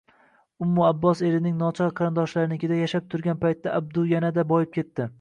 Ummu Abbos erining nochor qarindoshlarinikida yashab turgan paytda Abdu yanada boyib ketdi